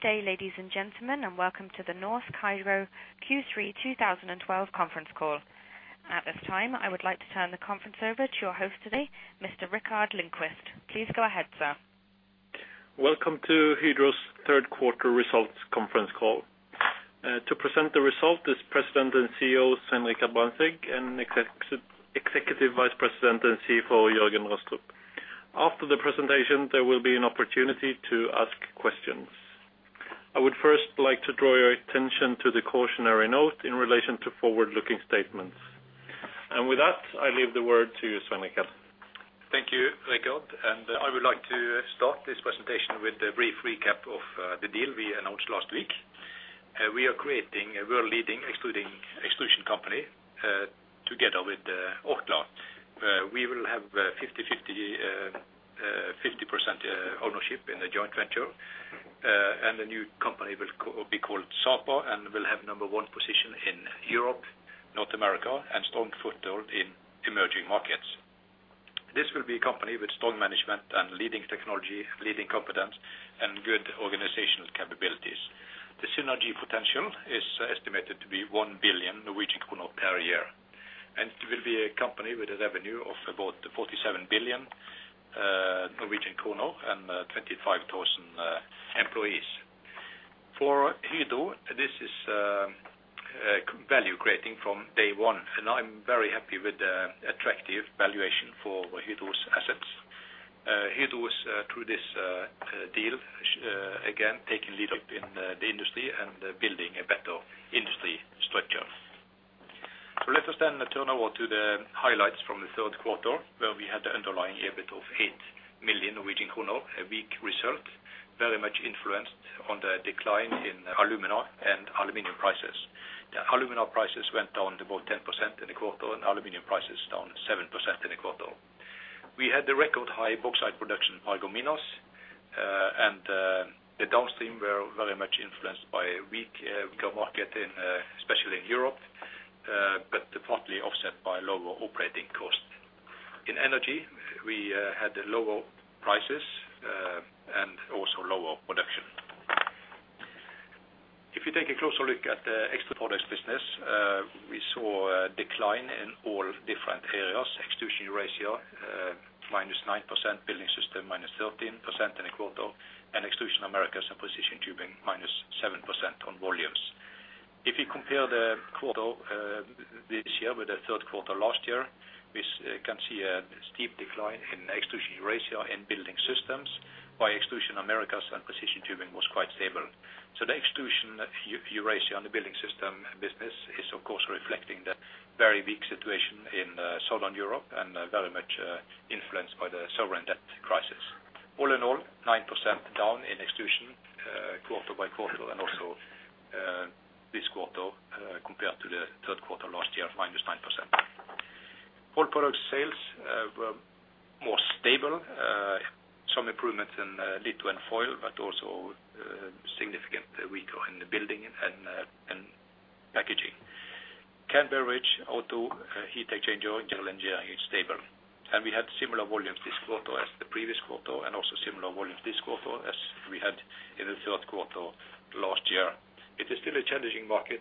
Good day, ladies and gentlemen, and welcome to the Norsk Hydro Q3 2012 Conference Call. At this time, I would like to turn the conference over to your host today, Mr. Rikard Lindqvist. Please go ahead, sir. Welcome to Hydro's third quarter results conference call. To present the results is President and CEO Svein Richard Brandtzæg, and Executive Vice President and CFO Jørgen Rostrup. After the presentation, there will be an opportunity to ask questions. I would first like to draw your attention to the cautionary note in relation to forward-looking statements. With that, I leave the word to Svein Richard. Thank you, Rikard, and I would like to start this presentation with a brief recap of the deal we announced last week. We are creating a world-leading extrusion company together with Orkla. We will have 50/50 ownership in the joint venture. The new company will be called Sapa and will have number one position in Europe, North America, and strong foothold in emerging markets. This will be a company with strong management and leading technology, leading competence, and good organizational capabilities. The synergy potential is estimated to be 1 billion per year. It will be a company with a revenue of about 47 billion and 25,000 employees. For Hydro, this is value creating from day one, and I'm very happy with the attractive valuation for Hydro's assets. Hydro is through this deal again taking leadership in the industry and building a better industry structure. Let us turn over to the highlights from the third quarter, where we had the underlying EBIT of 8 million Norwegian kroner, a weak result, very much influenced on the decline in alumina and aluminum prices. The alumina prices went down to about 10% in the quarter, and aluminum prices down 7% in the quarter. We had the record high bauxite production in Paragominas. The downstream were very much influenced by a weaker market especially in Europe, but partly offset by lower operating costs. In energy, we had lower prices and also lower production. If you take a closer look at the Extruded Products business, we saw a decline in all different areas. Extrusion Eurasia, -9%. Building Systems, -13% in the quarter. And Extrusion Americas and Precision Tubing, -7% on volumes. If you compare the quarter this year with the third quarter last year, we can see a steep decline in Extrusion Eurasia and Building Systems, while Extrusion Americas and Precision Tubing was quite stable. The Extrusion Eurasia and the Building Systems business is, of course, reflecting the very weak situation in Southern Europe and very much influenced by the sovereign debt crisis. All in all, 9% down in Extrusion, quarter by quarter, and also this quarter compared to the third quarter last year, -9%. Rolled Products sales were more stable. Some improvements in litho and foil, but also significantly weaker in the building and packaging. Can, beverage, auto, heat exchanger, general engineering is stable. We had similar volumes this quarter as the previous quarter, and also similar volumes this quarter as we had in the third quarter last year. It is still a challenging market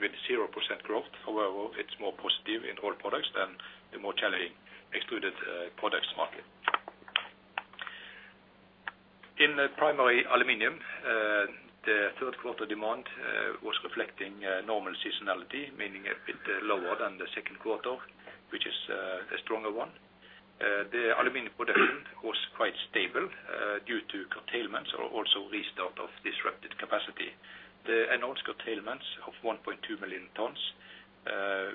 with 0% growth. However, it's more positive in Rolled Products than the more challenging Extruded Products market. In the Primary Aluminum, the third quarter demand was reflecting normal seasonality, meaning a bit lower than the second quarter, which is a stronger one. The aluminum production was quite stable due to curtailments or also restart of disrupted capacity. The announced curtailments of 1.2 million tons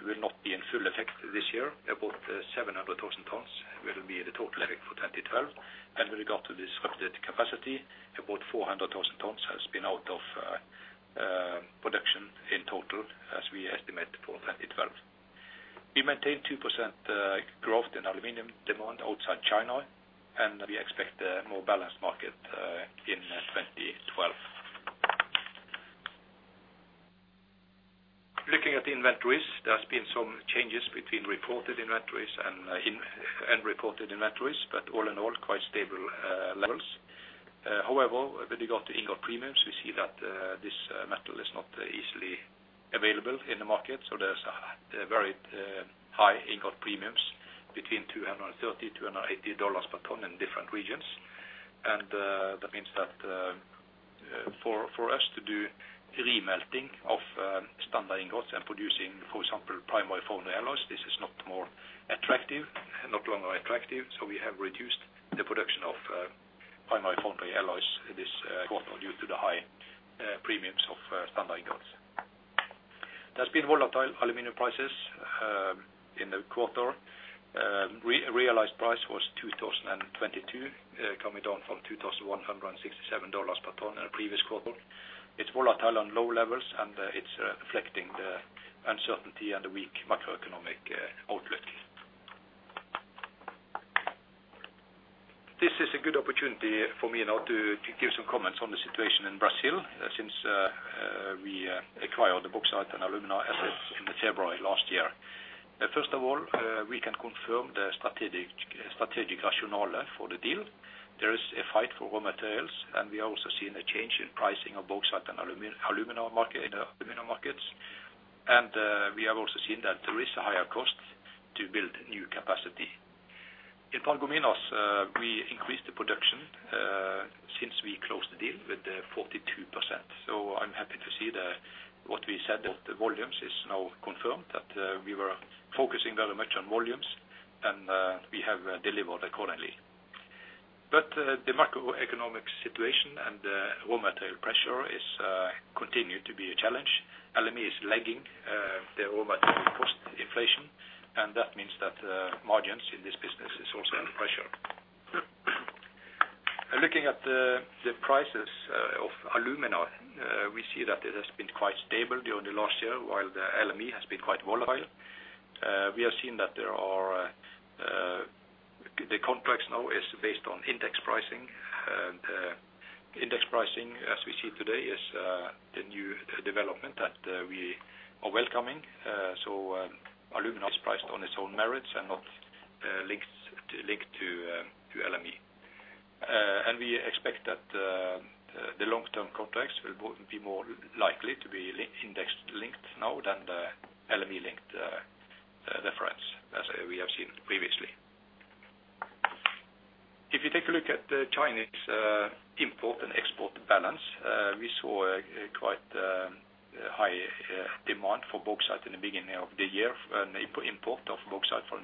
will not be in full effect this year. About 700,000 tons will be the total effect for 2012. With regard to the disrupted capacity, about 400,000 tons has been out of production in total as we estimate for 2012. We maintain 2% growth in aluminum demand outside China, and we expect a more balanced market in 2012. Looking at the inventories, there's been some changes between reported inventories and unreported inventories, but all in all, quite stable levels. However, with regard to ingot premiums, we see that this metal is not easily available in the market. There's very high ingot premiums between $230-$280 per ton in different regions. That means that for us to do remelting of standard ingots and producing, for example, primary foundry alloys, this is no longer attractive. We have reduced the production of primary foundry alloys this quarter due to the high premiums of standard ingots. There's been volatile aluminum prices in the quarter. Realized price was $2,022 coming down from $2,167 per ton in the previous quarter. It's volatile on low levels, and it's reflecting the uncertainty and the weak macroeconomic outlook. This is a good opportunity for me now to give some comments on the situation in Brazil. We acquired the bauxite and alumina assets in February last year. First of all, we can confirm the strategic rationale for the deal. There is a fight for raw materials, and we are also seeing a change in pricing of bauxite and alumina markets. We have also seen that there is a higher cost to build new capacity. In Paragominas, we increased the production since we closed the deal with 42%. I'm happy to see what we said, that the volumes is now confirmed, that we were focusing very much on volumes and we have delivered accordingly. The macroeconomic situation and raw material pressure is continue to be a challenge. LME is lagging the raw material cost inflation, and that means that margins in this business is also under pressure. Looking at the prices of alumina, we see that it has been quite stable during the last year, while the LME has been quite volatile. We have seen that the contracts now is based on index pricing. Index pricing, as we see today, is the new development that we are welcoming. Alumina is priced on its own merits and not linked to LME. We expect that the long-term contracts will both be more likely to be index linked now than the LME linked reference, as we have seen previously. If you take a look at the Chinese import and export balance, we saw a quite high demand for bauxite in the beginning of the year. Import of bauxite from,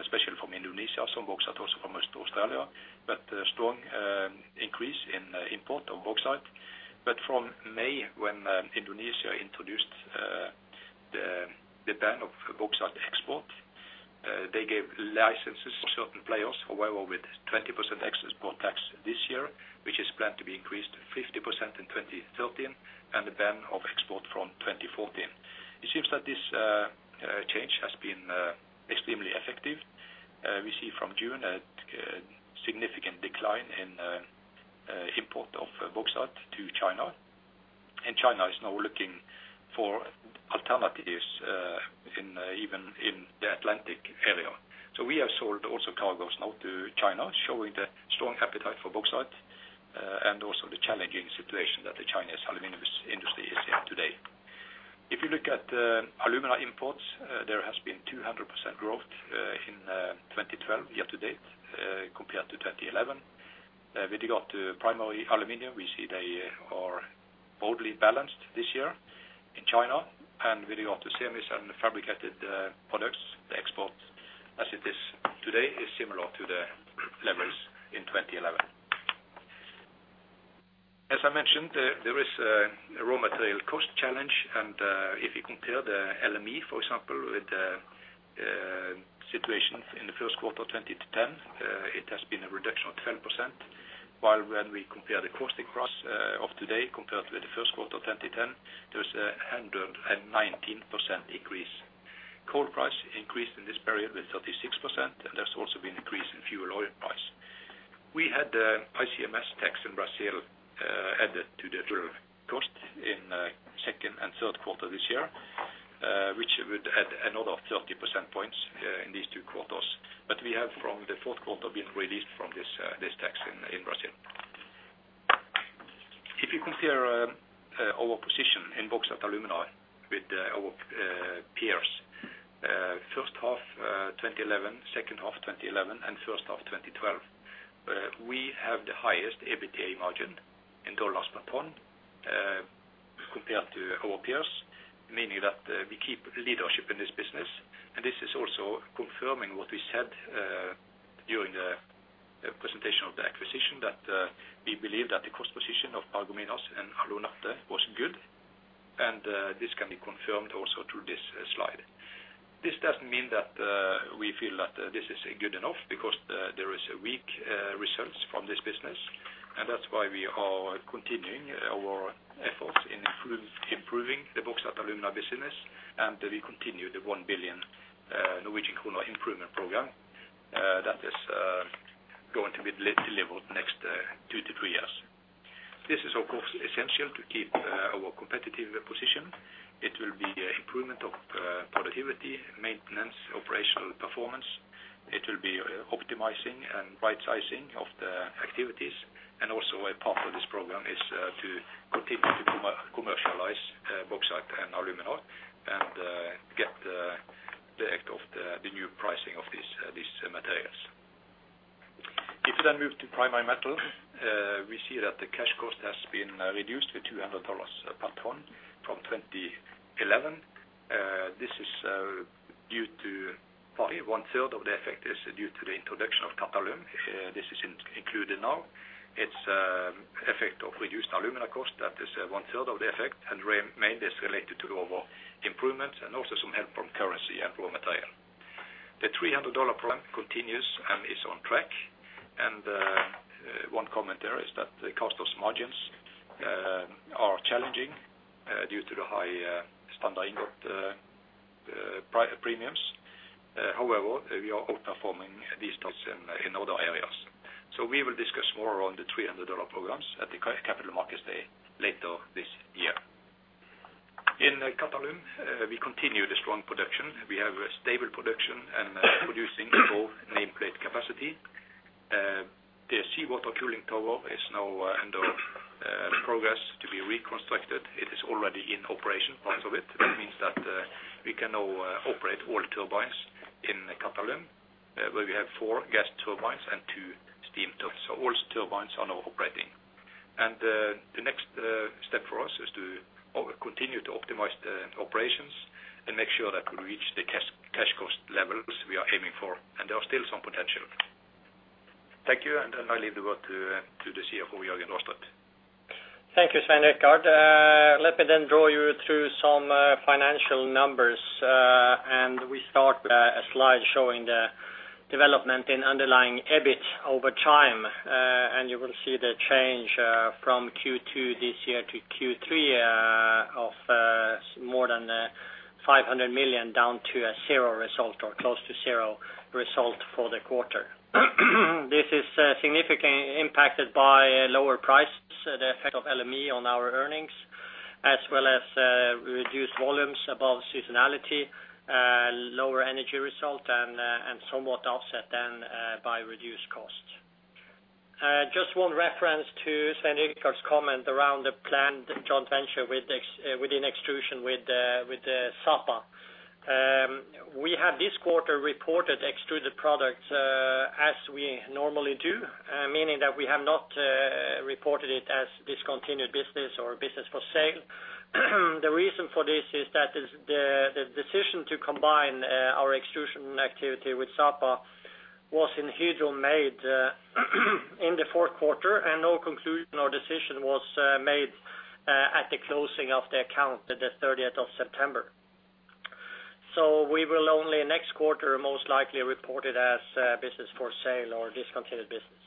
especially from Indonesia, some bauxite also from Western Australia, but a strong increase in import of bauxite. From May, when Indonesia introduced the ban on bauxite export, they gave licenses to certain players. However, with 20% export tax this year, which is planned to be increased 50% in 2013, and a ban on export from 2014. It seems that this change has been extremely effective. We see from June a significant decline in import of bauxite to China. China is now looking for alternatives in even the Atlantic area. We have sold also cargos now to China, showing the strong appetite for bauxite and also the challenging situation that the Chinese aluminum industry is in today. If you look at alumina imports, there has been 200% growth in 2012 year to date compared to 2011. With regard to primary aluminum, we see they are broadly balanced this year in China. With regard to semis and fabricated products, the export, as it is today, is similar to the levels in 2011. As I mentioned, there is a raw material cost challenge. If you compare the LME, for example, with the situations in the first quarter 2010, it has been a reduction of 10%. While when we compare the cost index of today compared with the first quarter 2010, there is a 119% increase. Coal price increased in this period with 36%, and there's also been an increase in fuel oil price. We had ICMS tax in Brazil added to the fuel cost in second and third quarters this year, which would add another 30 percentage points in these two quarters. We have, from the fourth quarter, been released from this tax in Brazil. If you compare our position in bauxite alumina with our peers, first half 2011, second half 2011, and first half 2012, we have the highest EBITDA margin in dollars per ton compared to our peers. Meaning that we keep leadership in this business. This is also confirming what we said during the presentation of the acquisition, that we believe that the cost position of Paragominas and Alunorte was good. This can be confirmed also through this slide. This doesn't mean that we feel that this is good enough because there is a weak results from this business. That's why we are continuing our efforts in improving the bauxite alumina business. We continue the 1 billion improvement program that is going to be delivered next 2-3 years. This is, of course, essential to keep our competitive position. It will be an improvement of productivity, maintenance, operational performance. It will be optimizing and right sizing of the activities. Also a part of this program is to continue to commercialize bauxite and alumina, and get the effect of the new pricing of these materials. If you then move to primary metal, we see that the cash cost has been reduced to $200 per ton from 2011. This is due to probably 1/3 of the effect is due to the introduction of Qatalum. This is included now. It's effect of reduced alumina cost, that is, 1/3 of the effect, and remain is related to the overall improvement and also some help from currency and raw material. The $300 program continues and is on track. One comment there is that the costs and margins are challenging due to the high standard ingot premiums. However, we are outperforming these targets. We will discuss more on the $300 programs at the Capital Markets Day later this year. In Qatalum, we continue the strong production. We have a stable production and are producing above nameplate capacity. The seawater cooling tower is now under progress to be reconstructed. It is already in operation, parts of it. That means that we can now operate all turbines in Qatalum, where we have four gas turbines and two steam turbines. All turbines are now operating. The next step for us is to continue to optimize the operations and make sure that we reach the cash cost levels we are aiming for, and there are still some potential. Thank you, and then I leave the word to the CFO, Jørgen Rostrup. Thank you, Svein Brandtzæg. Let me walk you through some financial numbers. We start with a slide showing the development in underlying EBIT over time. You will see the change from Q2 this year to Q3 of more than 500 million down to a zero result or close to zero result for the quarter. This is significantly impacted by lower prices, the effect of LME on our earnings, as well as reduced volumes above seasonality, lower energy result, and somewhat offset then by reduced costs. Just one reference to Svein's comment around the planned joint venture within Extrusion with Sapa. We have this quarter reported Extruded Products, as we normally do, meaning that we have not reported it as discontinued business or business for sale. The reason for this is that the decision to combine our extrusion activity with Sapa was made in Hydro in the fourth quarter, and no conclusion or decision was made at the closing of the account at the 13th of September. We will only next quarter most likely report it as business for sale or discontinued business.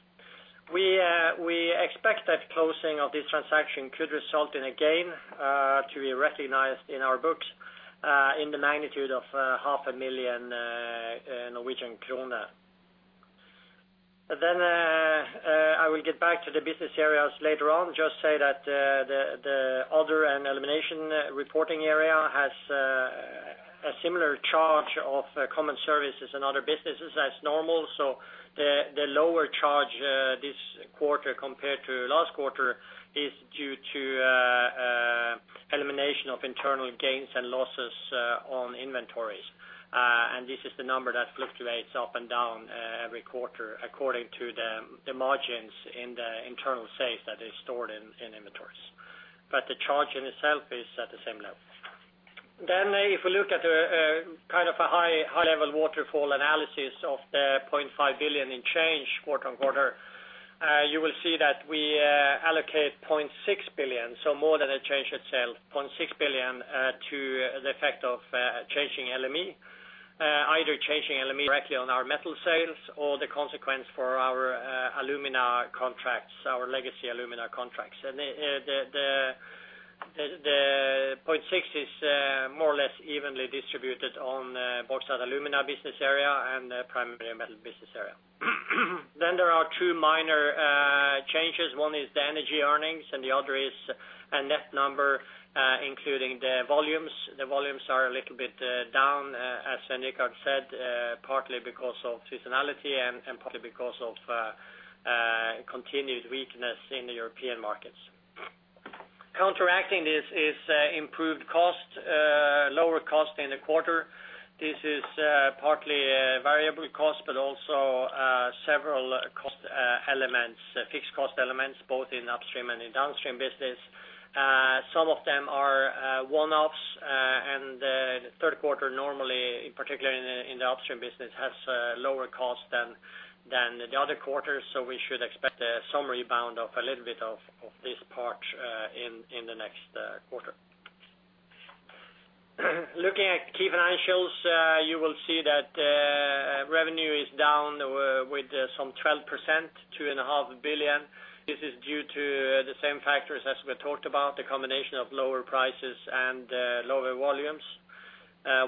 We expect that closing of this transaction could result in a gain to be recognized in our books in the magnitude of NOK 500,000. I will get back to the business areas later on. Just say that the other and elimination reporting area has a similar charge of common services and other businesses as normal. The lower charge this quarter compared to last quarter is due to elimination of internal gains and losses on inventories. This is the number that fluctuates up and down every quarter according to the margins in the internal sales that is stored in inventories. The charge in itself is at the same level. If we look at kind of a high-level waterfall analysis of the 0.5 billion in change quarter-on-quarter, you will see that we allocate 0.6 billion, so more than the change itself, 0.6 billion to the effect of changing LME. Either changing LME directly on our metal sales or the consequence for our alumina contracts, our legacy alumina contracts. The 0.6 is more or less evenly distributed on both our alumina business area and the primary metal business area. There are two minor changes. One is the energy earnings, and the other is a net number including the volumes. The volumes are a little bit down, as Svein Richard Brandtzæg said, partly because of seasonality and partly because of continued weakness in the European markets. Counteracting this is improved costs, lower costs in the quarter. This is partly variable costs, but also several cost elements, fixed cost elements, both in upstream and in downstream business. Some of them are one-offs. The third quarter normally, particularly in the upstream business, has lower costs than the other quarters, so we should expect some rebound of a little bit of this part in the next quarter. Looking at key financials, you will see that revenue is down with some 12%, 2.5 billion. This is due to the same factors as we talked about, the combination of lower prices and lower volumes.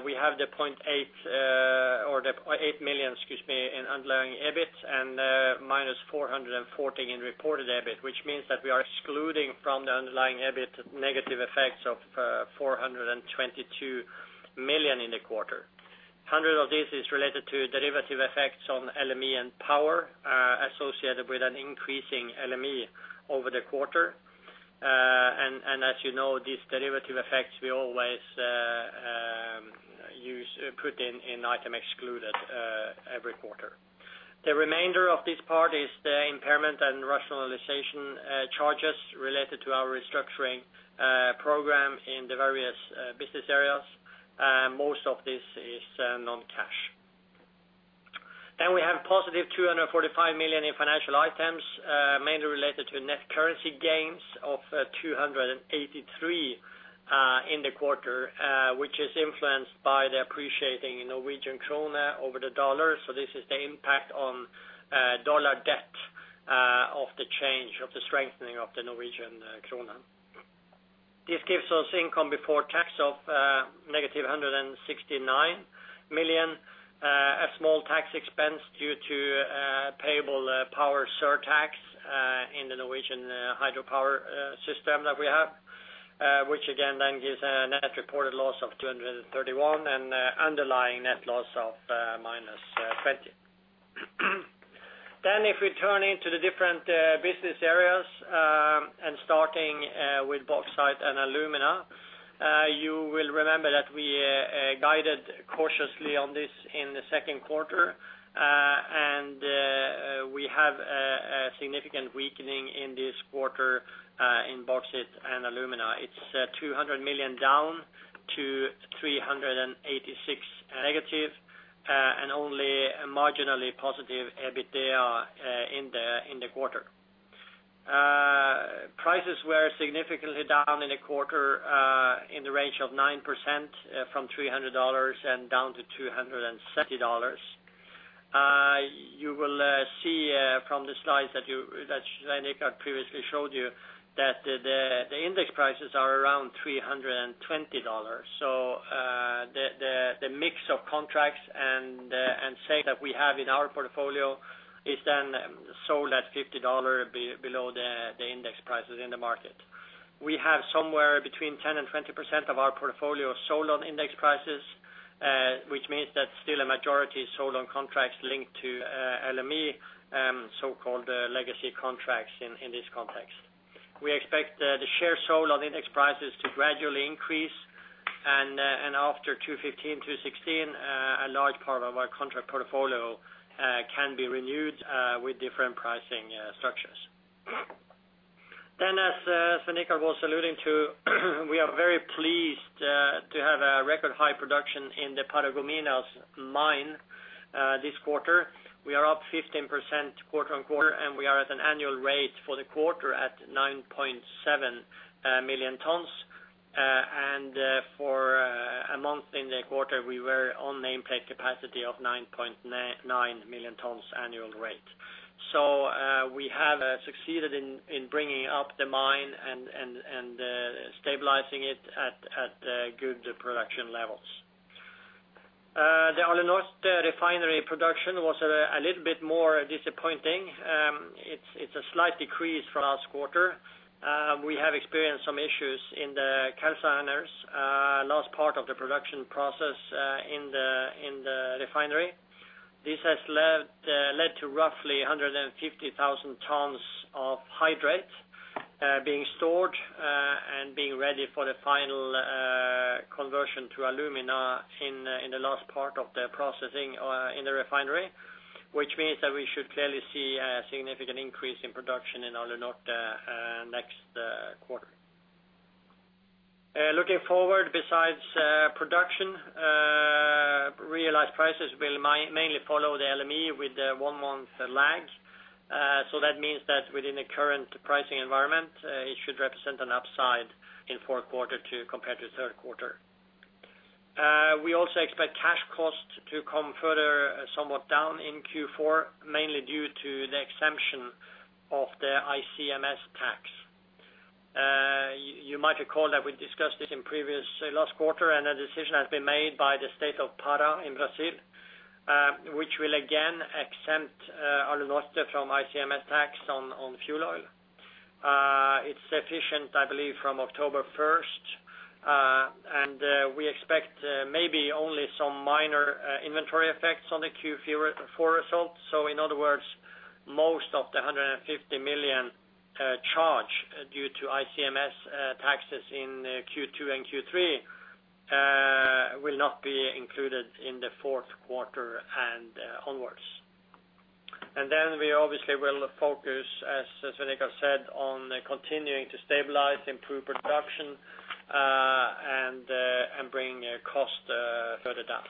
We have the eight million, excuse me, in underlying EBIT and minus four hundred and fourteen in reported EBIT, which means that we are excluding from the underlying EBIT negative effects of four hundred and twenty-two million in the quarter. Hundreds of this is related to derivative effects on LME and power, associated with an increasing LME over the quarter. As you know, these derivative effects we always put in items excluded every quarter. The remainder of this part is the impairment and rationalization charges related to our restructuring program in the various business areas. Most of this is non-cash. We have positive 245 million in financial items, mainly related to net currency gains of 283 in the quarter, which is influenced by the appreciating Norwegian krone over the dollar. This is the impact on dollar debt of the change, of the strengthening of the Norwegian krone. This gives us income before tax of -169 million. A small tax expense due to payable power surtax in the Norwegian hydropower system that we have, which again then gives a net reported loss of 231 and underlying net loss of -70. If we turn to the different business areas and starting with bauxite and alumina, you will remember that we guided cautiously on this in the second quarter. We have a significant weakening in this quarter in bauxite and alumina. It's 200 million down to -386 and only marginally positive EBITDA in the quarter. Prices were significantly down in the quarter in the range of 9% from $300 down to $270. You will see from the slides that Svein previously showed you that the index prices are around $320. The mix of contracts and sale that we have in our portfolio is then sold at $50 below the index prices in the market. We have somewhere between 10% and 20% of our portfolio sold on index prices, which means that still a majority sold on contracts linked to LME, so-called legacy contracts in this context. We expect the share sold on index prices to gradually increase. After 2015, 2016, a large part of our contract portfolio can be renewed with different pricing structures. As Svein was alluding to, we are very pleased to have a record high production in the Paragominas mine this quarter. We are up 15% quarter-on-quarter, and we are at an annual rate for the quarter at 9.7 million tons. For a month in the quarter, we were on nameplate capacity of 9.9 million tons annual rate. We have succeeded in bringing up the mine and stabilizing it at good production levels. The Alunorte refinery production was a little bit more disappointing. It's a slight decrease from last quarter. We have experienced some issues in the calciners last part of the production process in the refinery. This has led to roughly 150,000 tons of hydrate being stored and being ready for the final conversion to alumina in the last part of the processing in the refinery. Which means that we should clearly see a significant increase in production in Alunorte next quarter. Looking forward besides production, realized prices will mainly follow the LME with a one month lag. So that means that within the current pricing environment, it should represent an upside in fourth quarter compared to third quarter. We also expect cash costs to come further somewhat down in Q4, mainly due to the exemption of the ICMS tax. You might recall that we discussed this in previous last quarter, and a decision has been made by the state of Pará in Brazil, which will again exempt Alunorte from ICMS tax on fuel oil. It's effective, I believe, from October first. We expect maybe only some minor inventory effects on the Q4 results. In other words, most of the 150 million charge due to ICMS taxes in Q2 and Q3 will not be included in the fourth quarter and onwards. We obviously will focus, as Svein said, on continuing to stabilize, improve production, and bring cost further down.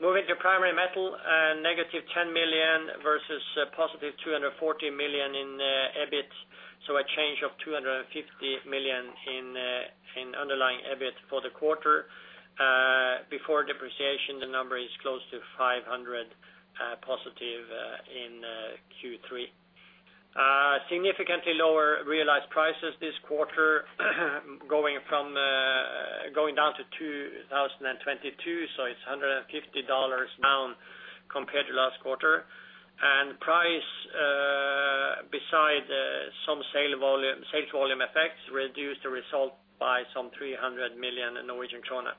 Moving to primary metal, -10 million versus positive 240 million in EBIT. A change of 250 million in underlying EBIT for the quarter. Before depreciation, the number is close to 500 positive in Q3. Significantly lower realized prices this quarter going down to $2,022, so it's $150 down compared to last quarter. Price, besides some sales volume effects reduced the result by some 300 million Norwegian krone.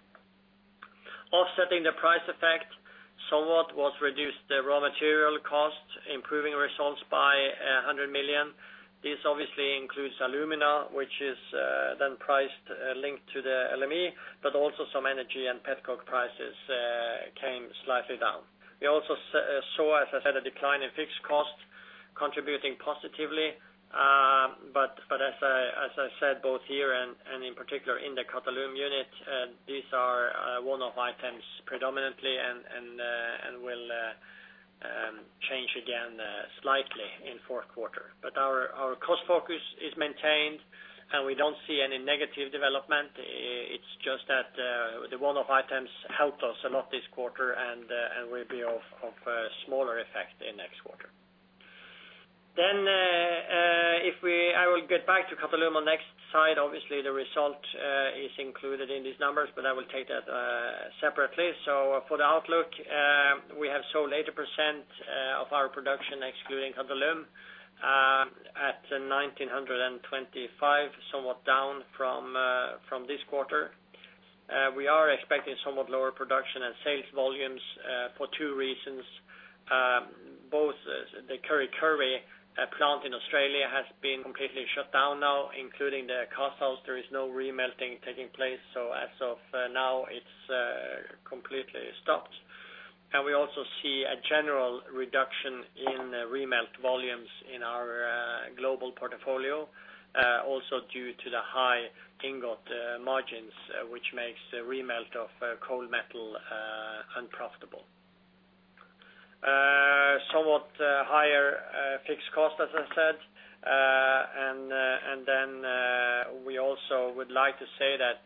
Offsetting the price effect, somewhat was reduced the raw material cost, improving results by 100 million. This obviously includes alumina, which is then price linked to the LME, but also some energy and pet coke prices came slightly down. We also saw, as I said, a decline in fixed costs contributing positively. As I said, both here and in particular in the Qatalum unit, these are one-off items predominantly and will change again slightly in fourth quarter. Our cost focus is maintained, and we don't see any negative development. It's just that the one-off items helped us a lot this quarter and will be of smaller effect in next quarter. I will get back to Qatalum on next slide. Obviously, the result is included in these numbers, but I will take that separately. For the outlook, we have sold 80% of our production excluding Qatalum at $1,925, somewhat down from this quarter. We are expecting somewhat lower production and sales volumes for two reasons. Both the Kurri Kurri plant in Australia has been completely shut down now, including the cast house. There is no remelting taking place. As of now, it's completely stopped. We also see a general reduction in remelt volumes in our global portfolio, also due to the high ingot margins, which makes the remelt of cold metal unprofitable. Somewhat higher fixed cost, as I said. We also would like to say that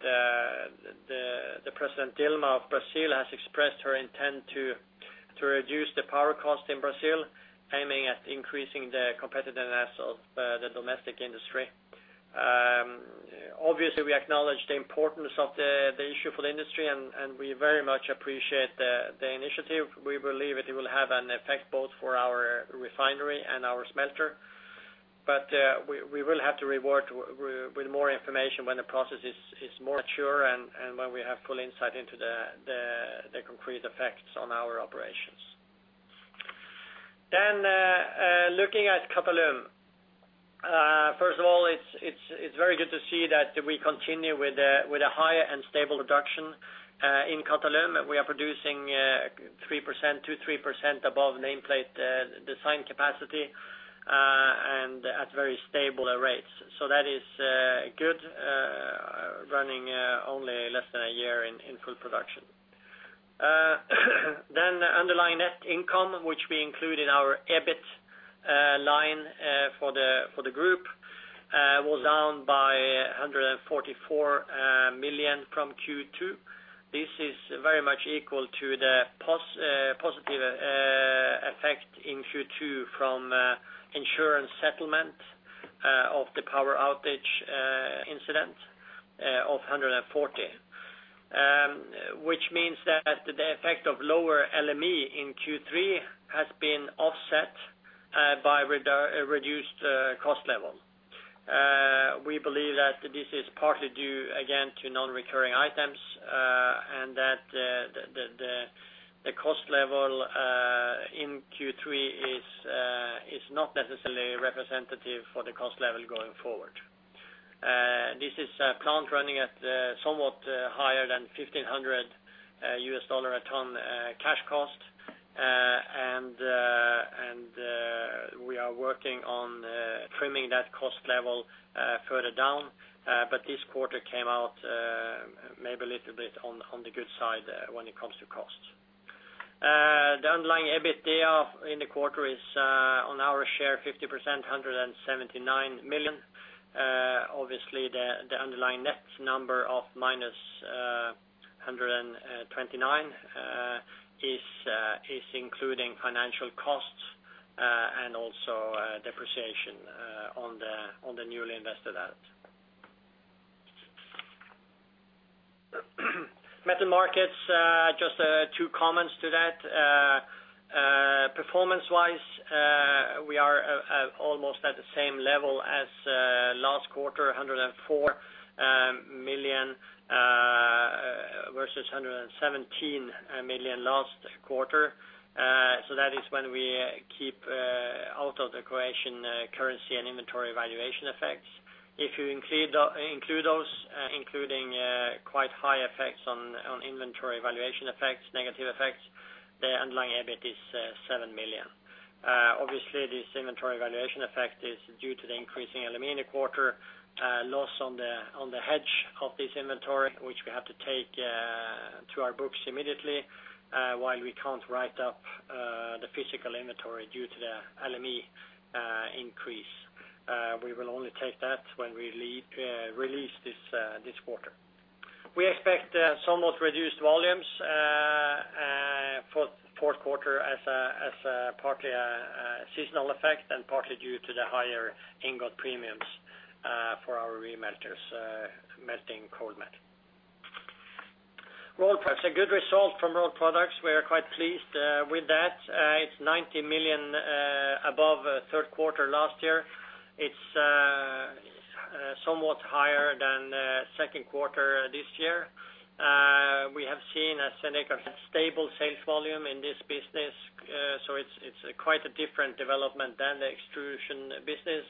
the President Dilma of Brazil has expressed her intent to reduce the power cost in Brazil, aiming at increasing the competitiveness of the domestic industry. Obviously, we acknowledge the importance of the issue for the industry, and we very much appreciate the initiative. We believe it will have an effect both for our refinery and our smelter. We will have to return with more information when the process is mature and when we have full insight into the concrete effects on our operations. Looking at Qatalum. First of all, it's very good to see that we continue with a higher and stable production in Qatalum. We are producing 2%-3% above nameplate design capacity and at very stable rates. That is good running only less than a year in full production. Underlying net income, which we include in our EBIT line for the group, was down by 144 million from Q2. This is very much equal to the positive effect in Q2 from insurance settlement of the power outage incident of 140, which means that the effect of lower LME in Q3 has been offset by reduced cost level. We believe that this is partly due again to non-recurring items, and that the cost level in Q3 is not necessarily representative for the cost level going forward. This is a plant running at somewhat higher than $1,500 a ton cash cost. We are working on trimming that cost level further down. This quarter came out maybe a little bit on the good side when it comes to costs. The underlying EBITDA in the quarter is on our share 50%, 179 million. Obviously, the underlying net number of -129 is including financial costs and also depreciation on the newly invested asset. Metal Markets, just two comments to that. Performance-wise, we are almost at the same level as last quarter, 104 million versus 117 million last quarter. That is when we keep out of the equation currency and inventory valuation effects. If you include those, including quite high effects on inventory valuation effects, negative effects, the underlying EBIT is 7 million. Obviously, this inventory valuation effect is due to the increasing aluminum in the quarter, loss on the hedge of this inventory, which we have to take to our books immediately, while we can't write up the physical inventory due to the LME increase. We will only take that when we release this quarter. We expect somewhat reduced volumes for fourth quarter as partly a seasonal effect and partly due to the higher ingot premiums for our remelters, melting cold metal. Rolled Products, a good result from Rolled Products. We are quite pleased with that. It's 90 million above third quarter last year. It's somewhat higher than second quarter this year. We have seen a stable sales volume in this business, so it's quite a different development than the extrusion business,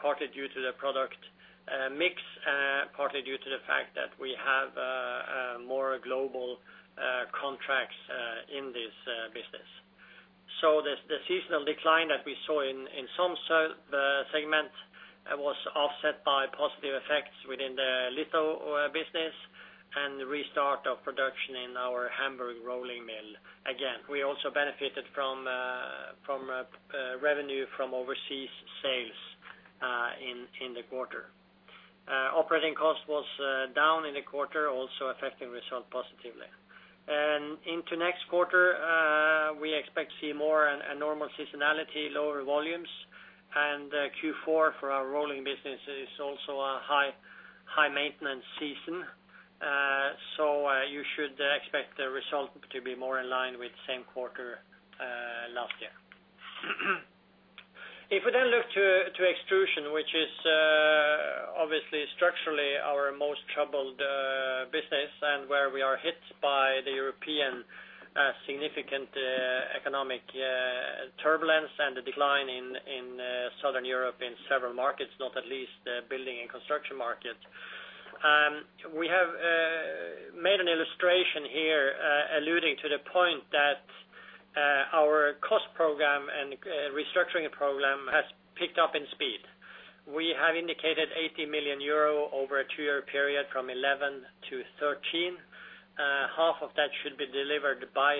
partly due to the product mix, partly due to the fact that we have more global contracts in this business. The seasonal decline that we saw in some segment was offset by positive effects within the litho business and the restart of production in our Hamburg rolling mill again. We also benefited from a revenue from overseas in the quarter. Operating cost was down in the quarter, also affecting result positively. Into next quarter, we expect to see more and a normal seasonality, lower volumes. Q4 for our rolling business is also a high-maintenance season. You should expect the result to be more in line with same quarter last year. If we then look to extrusion, which is obviously structurally our most troubled business and where we are hit by the European significant economic turbulence and the decline in Southern Europe in several markets, not least the building and construction markets. We have made an illustration here alluding to the point that our cost program and restructuring program has picked up in speed. We have indicated 80 million euro over a two-year period from 2011 to 2013. Half of that should be delivered by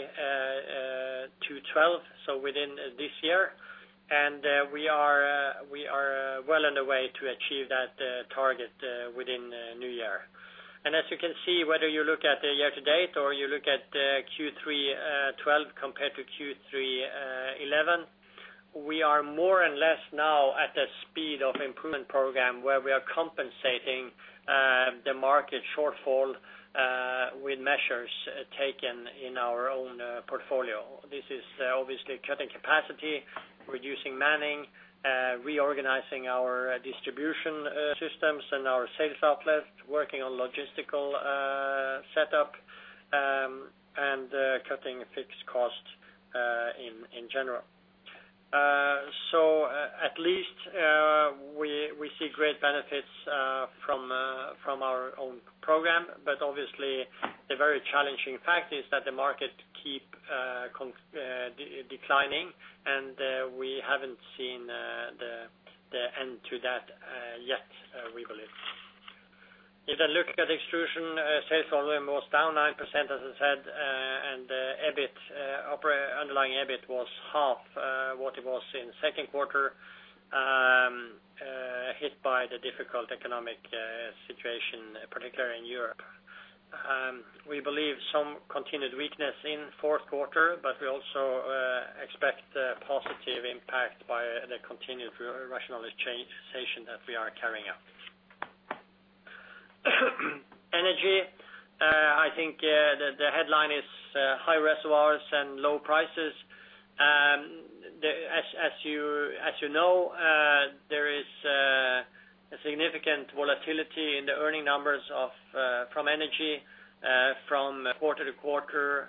2012, so within this year. We are well on the way to achieve that target within new year. As you can see, whether you look at the year to date or you look at Q3 2012 compared to Q3 2011, we are more or less now at the speed of improvement program where we are compensating the market shortfall with measures taken in our own portfolio. This is obviously cutting capacity, reducing manning, reorganizing our distribution systems and our sales outlets, working on logistical setup, and cutting fixed costs in general. At least we see great benefits from our own program. Obviously the very challenging fact is that the market keeps declining and we haven't seen the end to that yet, we believe. If I look at extrusion, sales volume was down 9%, as I said, and underlying EBIT was half what it was in the second quarter. Hit by the difficult economic situation, particularly in Europe. We believe some continued weakness in fourth quarter, but we also expect a positive impact by the continued rationalization that we are carrying out. Energy, I think, the headline is high reservoirs and low prices. As you know, there is a significant volatility in the earnings numbers from energy from quarter to quarter,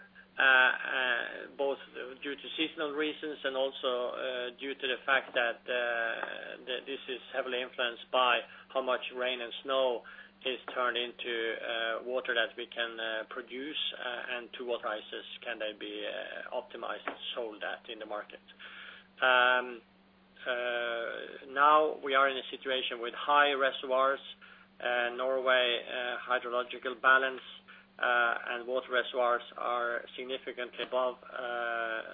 both due to seasonal reasons and also due to the fact that this is heavily influenced by how much rain and snow is turned into water that we can produce, and to what prices can they be optimized and sold at in the market. Now we are in a situation with high reservoirs. Norwegian hydrological balance and water reservoirs are significantly above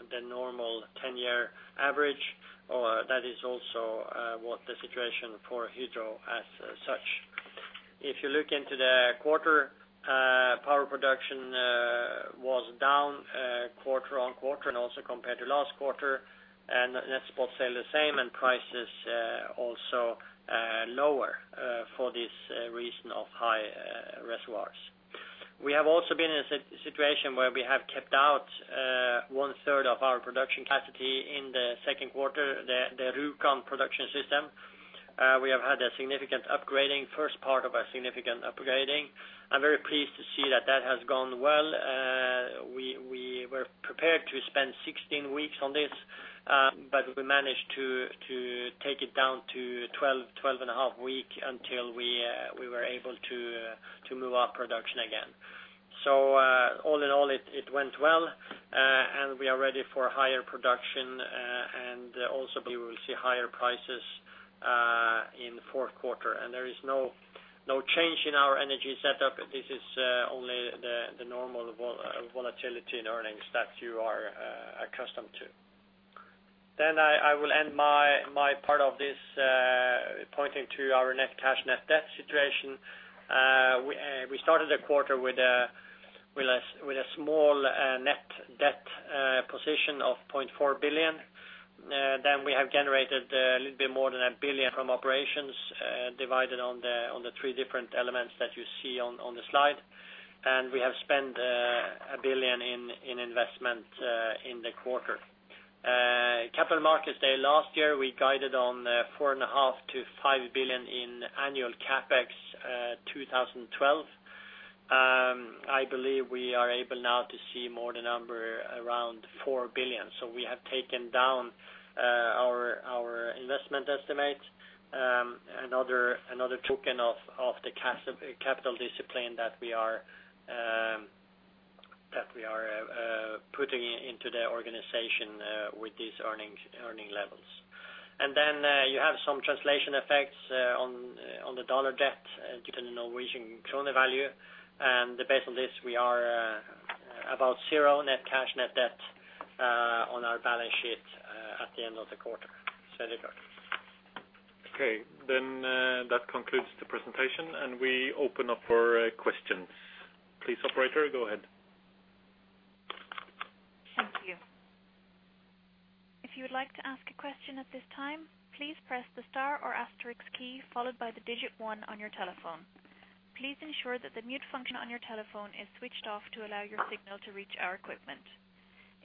the normal 10-year average. That is also what the situation for Hydro as such. If you look into the quarter, power production was down quarter-on-quarter and also compared to last quarter. Net spot sales the same and prices also lower for this reason of high reservoirs. We have also been in a situation where we have kept out one third of our production capacity in the second quarter, the Rjukan production system. We have had a significant upgrading, first part of our significant upgrading. I'm very pleased to see that that has gone well. We were prepared to spend 16 weeks on this, but we managed to take it down to 12.5 Weeks until we were able to move our production again. All in all, it went well, and we are ready for higher production, and also we will see higher prices in the fourth quarter. There is no change in our energy setup. This is only the normal volatility in earnings that you are accustomed to. I will end my part of this pointing to our net cash, net debt situation. We started the quarter with a small net debt position of 0.4 billion. We have generated a little bit more than 1 billion from operations, divided on the three different elements that you see on the slide. We have spent 1 billion in investment in the quarter. Capital Markets Day last year, we guided on 4.5 billion-5 billion in annual CapEx, 2012. I believe we are able now to see more the number around 4 billion. We have taken down our investment estimates. Another token of the capital discipline that we are putting into the organization with these earning levels. You have some translation effects on the dollar debt depending on Norwegian krone value. Based on this, we are about zero net cash, net debt at the end of the quarter. Okay. That concludes the presentation, and we open up for questions. Please, operator, go ahead. Thank you. If you would like to ask a question at this time, please press the Star or Asterisk key, followed by the digit one on your telephone. Please ensure that the mute function on your telephone is switched off to allow your signal to reach our equipment.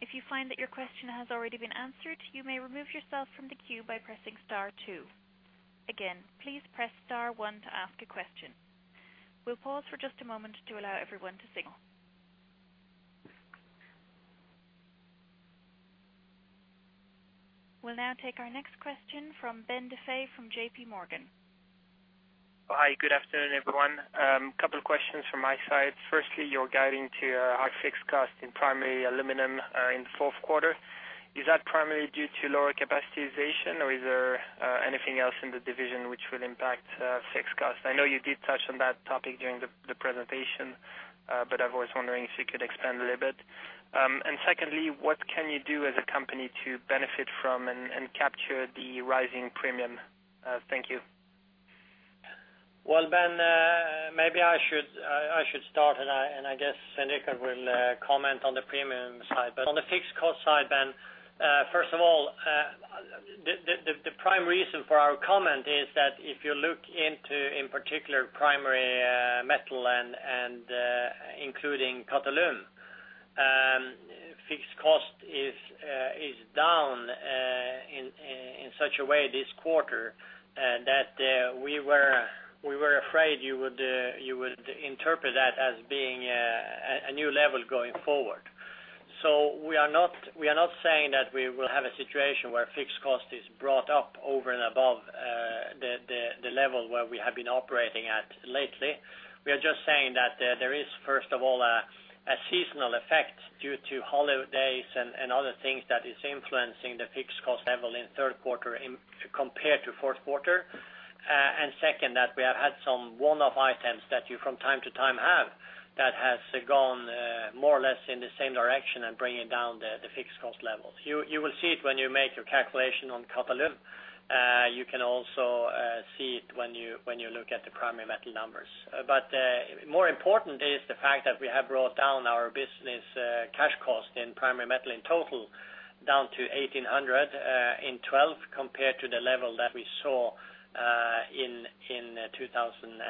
If you find that your question has already been answered, you may remove yourself from the queue by pressing star two. Again, please press star one to ask a question. We'll pause for just a moment to allow everyone to signal. We'll now take our next question from Ben Defay from J.P. Morgan. Hi, good afternoon, everyone. Couple questions from my side. Firstly, you're guiding to our fixed cost in primary aluminum in fourth quarter. Is that primarily due to lower capacity utilization, or is there anything else in the division which will impact fixed cost? I know you did touch on that topic during the presentation, but I was wondering if you could expand a little bit. Secondly, what can you do as a company to benefit from and capture the rising premium? Thank you. Well, Ben, maybe I should start, and I guess Svein will comment on the premium side. On the fixed cost side, Ben, first of all, the prime reason for our comment is that if you look into, in particular, primary metal and including Qatalum, fixed cost is down in such a way this quarter that we were afraid you would interpret that as being a new level going forward. We are not saying that we will have a situation where fixed cost is brought up over and above the level where we have been operating at lately. We are just saying that there is, first of all, a seasonal effect due to holidays and other things that is influencing the fixed cost level in third quarter compared to fourth quarter. Second, that we have had some one-off items that you from time to time have, that has gone more or less in the same direction and bringing down the fixed cost levels. You will see it when you make your calculation on Qatalum. You can also see it when you look at the primary metal numbers. More important is the fact that we have brought down our business cash cost in primary metal in total down to 1,800 in 2012 compared to the level that we saw in 2011.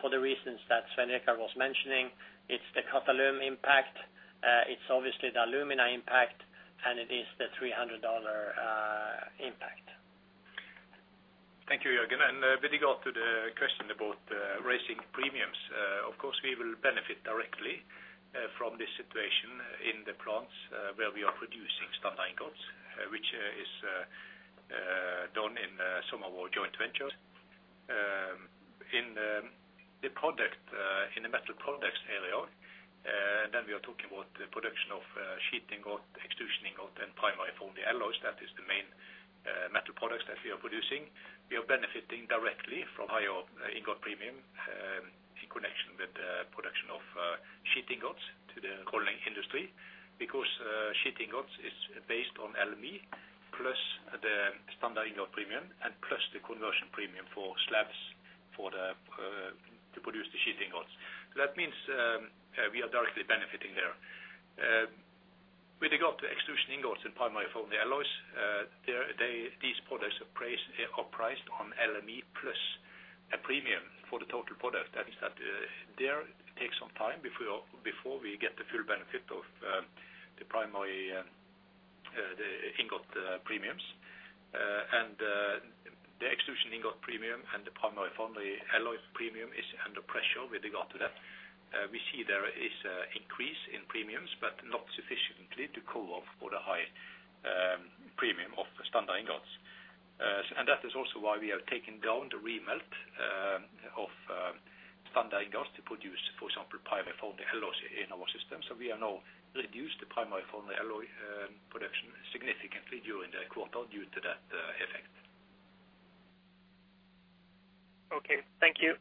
For the reasons that Svein was mentioning, it's the Qatalum impact, it's obviously the alumina impact, and it is the $300 impact. Thank you, Jørgen. With regard to the question about raising premiums, of course, we will benefit directly from this situation in the plants where we are producing standard ingots, which is done in some of our joint ventures. In the Metal Markets area, then we are talking about the production of sheet ingots, extrusion ingots, and primary foundry alloys. That is the main Metal Markets that we are producing. We are benefiting directly from higher ingot premium in connection with the production of sheet ingots to the rolling industry. Because sheet ingots is based on LME, plus the standard ingot premium, and plus the conversion premium for slabs to produce the sheet ingots. That means we are directly benefiting there. With regard to extrusion ingots and primary foundry alloys, these products are priced on LME plus a premium for the total product. That is, it takes some time before we get the full benefit of the primary ingot premiums. The extrusion ingot premium and the primary foundry alloy premium is under pressure with regard to that. We see there is increase in premiums, but not sufficiently to cover for the high premium of the standard ingots. That is also why we have taken down the remelt of standard ingots to produce, for example, primary foundry alloys in our system. We have now reduced the primary foundry alloy production significantly during the quarter due to that effect. Okay. Thank you.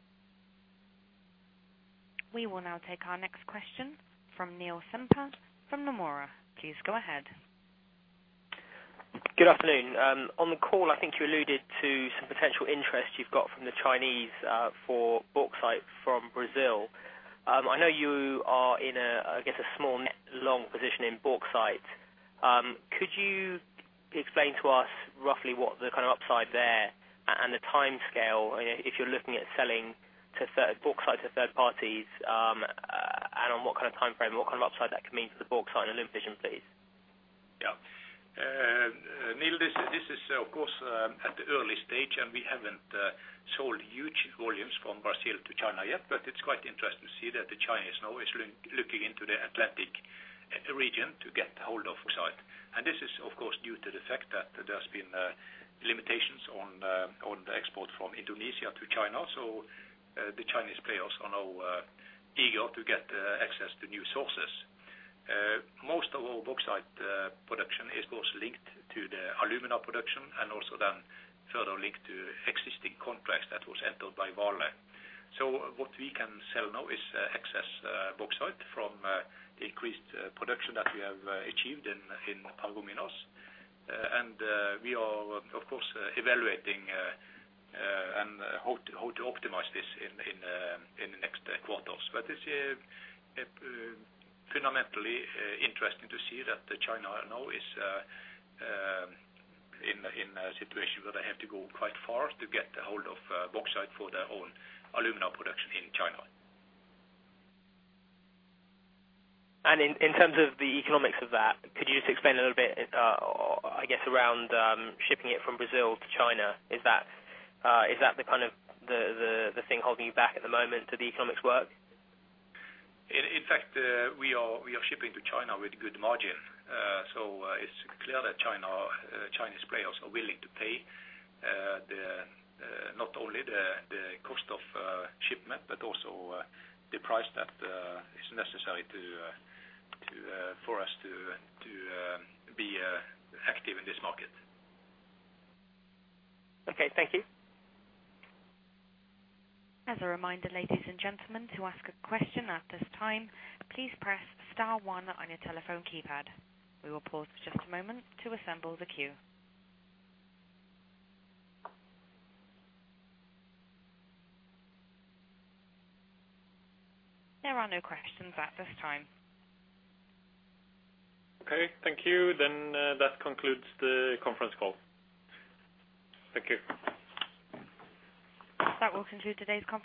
We will now take our next question from Neil Sampat from Nomura. Please go ahead. Good afternoon. On the call, I think you alluded to some potential interest you've got from the Chinese, for bauxite from Brazil. I know you are in a, I guess, a small net long position in bauxite. Could you explain to us roughly what the kind of upside there and the timescale if you're looking at selling bauxite to third parties, and on what kind of timeframe, what kind of upside that could mean for the bauxite and aluminum division, please? Yeah. Neil, this is of course at the early stage, and we haven't sold huge volumes from Brazil to China yet. It's quite interesting to see that the Chinese now is looking into the Atlantic region to get hold of bauxite. This is of course due to the fact that there's been limitations on the export from Indonesia to China. The Chinese players are now eager to get access to new sources. Most of our bauxite production is of course linked to the alumina production and also then further linked to existing contracts that was entered by Vale. What we can sell now is excess bauxite from the increased production that we have achieved in Paragominas. We are of course evaluating how to optimize this in the next quarters. It's fundamentally interesting to see that China now is in a situation where they have to go quite far to get a hold of bauxite for their own alumina production in China. In terms of the economics of that, could you just explain a little bit, I guess, around shipping it from Brazil to China? Is that the kind of thing holding you back at the moment, do the economics work? In fact, we are shipping to China with good margin. It's clear that Chinese players are willing to pay not only the cost of shipment, but also the price that is necessary for us to be active in this market. Okay. Thank you. As a reminder, ladies and gentlemen, to ask a question at this time, please press star one on your telephone keypad. We will pause just a moment to assemble the queue. There are no questions at this time. Okay. Thank you. That concludes the conference call. Thank you. That will conclude today's conference call.